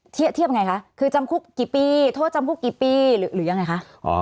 เทียบยังไงคะคือจำคุกกี่ปีโทษจำคุกกี่ปีหรือยังไงคะ